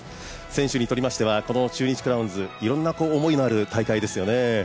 選手にとりましてはこの中日クラウンズいろんな思いのある大会ですよね。